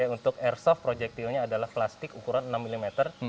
untuk airsoft projektilnya adalah plastik ukuran enam mm